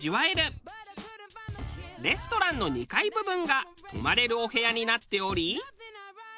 レストランの２階部分が泊まれるお部屋になっており。